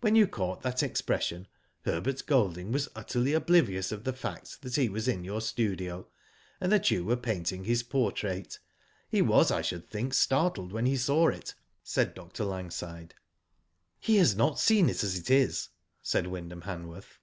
When you caught that expression Herbert Golding was utterly oblivious of the fact that he was in your studio, and that you were painting his portrait. He was, I should think, startled when he saw it," said Dr. Langside. Digitized byGoogk IN THE STUDIO. 229 " He has not seen it as it is," said Wyndham Han worth.